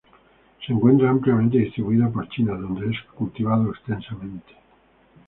Se encuentra ampliamente distribuida en China, donde es cultivado extensamente.